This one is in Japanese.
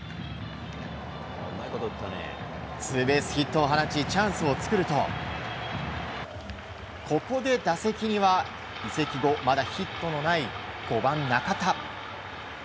ツーベースヒットを放ちチャンスを作るとここで打席には移籍後まだヒットのない５番、中田。